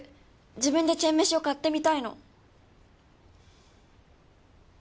自分でチェンメシを買ってみたいの。